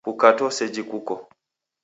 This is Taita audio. Kukato ni seji kuko